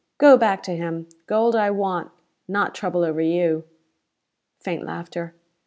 Go back to him. Gold I want, not trouble over you!" Faint laughter.